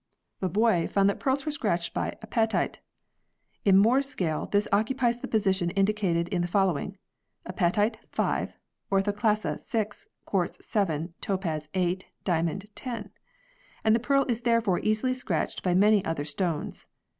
Moebius found that pearls were scratched by 62 PEARLS [CH. apatite: in Mohr's scale, this occupies the position indicated in the following : Apatite 5, Orthoclase 6, Quartz 7, Topaz 8, Diamond 10, and the pearl is therefore easily scratched by many other stones.